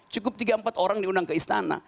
cukup tiga empat orang diundang ke istana